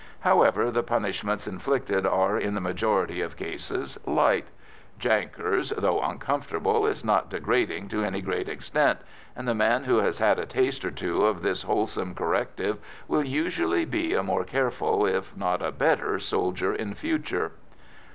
However, the punishments inflicted are, in the majority of cases, light: "jankers," though uncomfortable, is not degrading to any great extent, and the man who has had a taste or two of this wholesome corrective will usually be a more careful if not a better soldier in future.